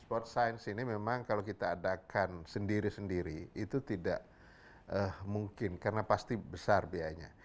sport science ini memang kalau kita adakan sendiri sendiri itu tidak mungkin karena pasti besar biayanya